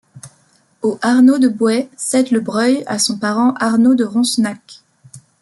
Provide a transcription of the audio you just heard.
Au Arnauld de Boueix cède le Breuil à son parent Arnauld de Ronsenac.